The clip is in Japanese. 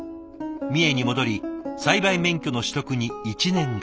三重に戻り栽培免許の取得に１年がかり。